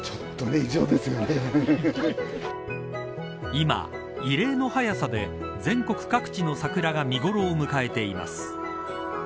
今、異例の早さで全国各地の桜が見頃を迎えています。